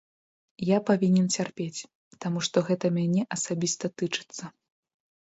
Я павінен цярпець, таму што гэта мяне асабіста тычыцца.